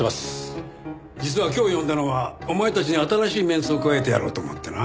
実は今日呼んだのはお前たちに新しいメンツを加えてやろうと思ってな。